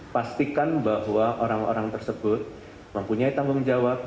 pastikan bahwa orang orang tersebut mempunyai tanggung jawab